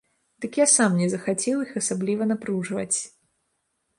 Дык я сам не захацеў іх асабліва напружваць.